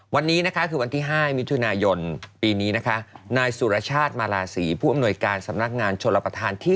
วันนี้นะคะวันที่๕มิยปีนี้นายสุรชาติมาลาศรีผู้อำนวยกาลสำนักงานชลปฐานที่๑๒